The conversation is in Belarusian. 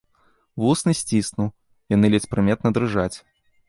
Вусны сціснуў, яны ледзь прыметна дрыжаць.